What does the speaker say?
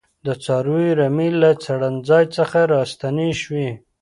د څارویو رمې له څړځای څخه راستنې شوې.